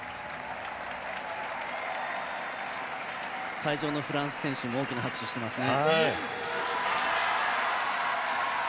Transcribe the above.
会場のフランス選手も大きな拍手していますね。